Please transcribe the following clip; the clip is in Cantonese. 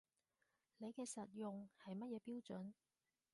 你嘅實用係乜嘢標準